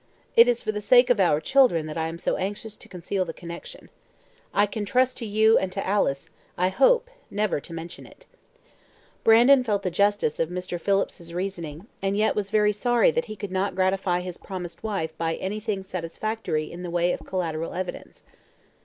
It is for the sake of our children that I am so anxious to conceal the connection. I can trust to you and to Alice, I hope, never to mention it." Brandon felt the justice of Mr. Phillips's reasoning, and yet was very sorry that he could not gratify his promised wife by anything satisfactory in the way of collateral evidence.